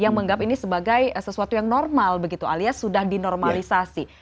yang menganggap ini sebagai sesuatu yang normal begitu alias sudah dinormalisasi